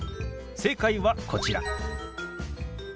正解はこちら。